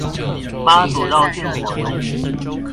媽祖繞境活動